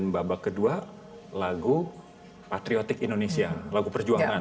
babak kedua lagu patriotik indonesia lagu perjuangan